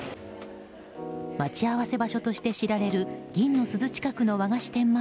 待ち合わせ場所として知られる銀の鈴近くの和菓子店